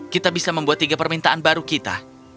kita bisa membuat tiga permintaan baru kita